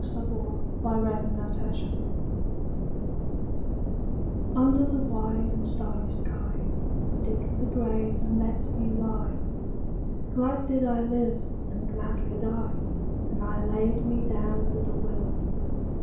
U V . W X . Y Z Requiem UNDER Under the wide and starry sky, Dig the grave and let me lie. Glad did I live and gladly die, And I laid me down with a will.